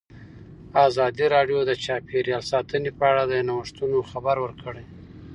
ازادي راډیو د چاپیریال ساتنه په اړه د نوښتونو خبر ورکړی.